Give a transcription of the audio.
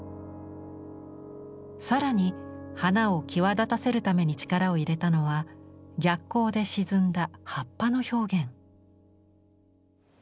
更に花を際立たせるために力を入れたのは逆光で沈んだ葉っぱの表現。